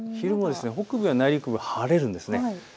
昼も北部や内陸部、晴れるんです。